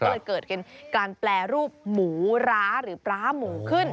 ก็เลยเกิดเป็นการแปรรูปหมูร้าหรือปลาหมูขึ้น